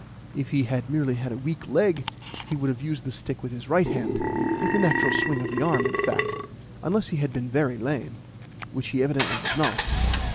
If he had merely had a weak leg, he would have used the stick with his right hand with the natural swing of the arm, in fact unless he had been very lame, which he evidently was not.